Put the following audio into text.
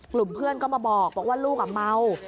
กลุ่มเพื่อนก็มาบอกว่าลูกเมา